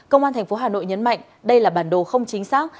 công an tp hà nội nhấn mạnh đây là bản đồ không chính xác